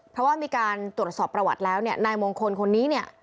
เพราะว่ามีการตรวจสอบประวัติแล้วนายมงคลคนนี้